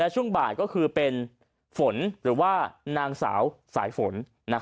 ช่วงบ่ายก็คือเป็นหนางสาวสายฝน